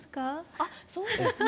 あっそうですね。